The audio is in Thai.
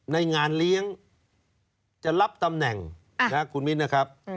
ในงานเลี้ยงจะรับตำแหน่งคุณมิ้นนะครับ